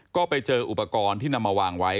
ก็ไปเจออุปกรณ์ที่นำมาวางไว้